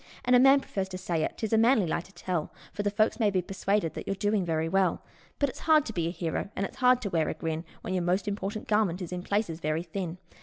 And a man prefers to say it 'tis a manly lie to tell, For the folks may be persuaded that you're doing very well ; But it's hard to be a hero, and it's hard to wear a grin, When your most important garment is in places very thin.